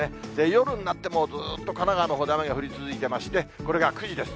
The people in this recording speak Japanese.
夜になっても、ずーっと神奈川のほうで雨が降り続いてまして、これが９時です。